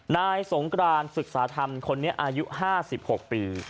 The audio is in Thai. นายสงกรานศึกษาธรรมคนนี้อายุ๕๖ปี